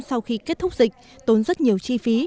sau khi kết thúc dịch tốn rất nhiều chi phí